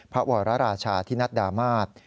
พระวรราชาธินัดดามาศ